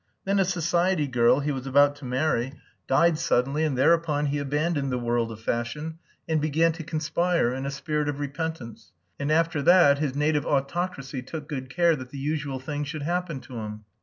Then a society girl he was about to marry died suddenly and thereupon he abandoned the world of fashion, and began to conspire in a spirit of repentance, and, after that, his native autocracy took good care that the usual things should happen to him.